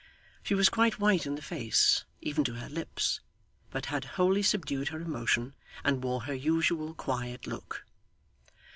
She was quite white in the face, even to her lips, but had wholly subdued her emotion, and wore her usual quiet look.